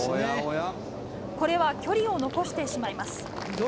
これは距離を残してしまいます。